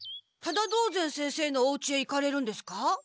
多田堂禅先生のおうちへ行かれるんですか？